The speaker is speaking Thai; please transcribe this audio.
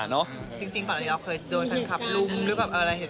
จริงตอนนี้เราเคยโดนคันครับลุมหรืออะไรเหตุการณ์